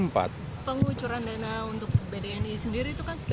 pengucuran dana untuk bdni sendiri itu kan